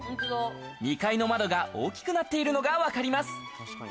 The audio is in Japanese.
２階の窓が大きくなっているのがわかります。